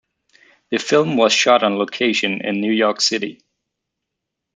The film was shot on location in New York City.